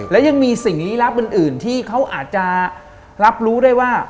และยังมีสิ่งลี้ลับอื่นที่เขาอาจจะรับรู้ได้ว่า